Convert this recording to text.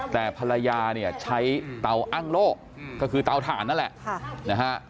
แต่ภรรยาใช้เตาอ้างโลกก็คือเตาถ่านนั่นแหละ